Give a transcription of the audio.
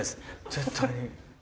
絶対に。